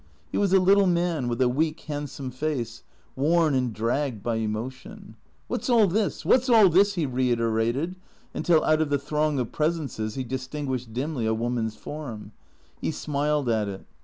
He was a little man, with a weak, handsome face, worn and dragged by emotion. "AVhat's all this? What's all this?" he reiterated, until out of the throng of presences he distinguished dimly a woman's form. He smiled at it.